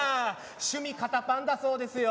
趣味肩パンだそうですよ。